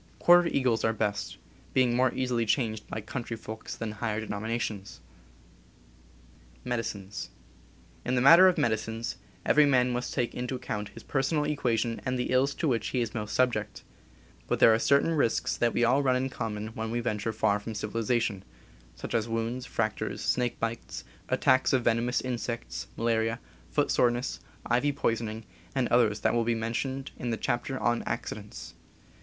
Quarter eagles are best, being more easily changed by country folks than higher denominations. In the matter of medicines, every man must take into account his personal equation and the ills to which __ J. . he is most subiect; but there are cer JxLCQlClIlCS tain risks that we all run in common when we venture far from civilization, such as wounds, fractures, snake bites, attacks of venomous insects, malaria, footsoreness, ivy poisoning, and others that will be mentioned in the chapter on Accidents.